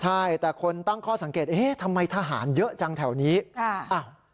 ใช่แต่คนตั้งข้อสังเกตเอ๊ะทำไมทหารเยอะจังแถวนี้ค่ะอ้าว